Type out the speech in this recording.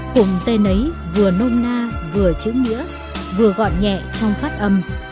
cùng tên ấy vừa nôn na vừa chữ nghĩa vừa gọn nhẹ trong phát âm